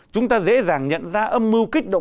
chúng ta dễ dàng nhận ra âm mưu kích động